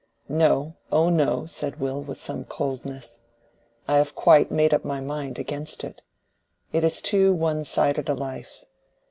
"No, oh no," said Will, with some coldness. "I have quite made up my mind against it. It is too one sided a life.